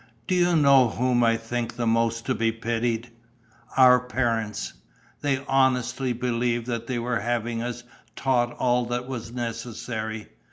Do you know whom I think the most to be pitied? Our parents! They honestly believed that they were having us taught all that was necessary.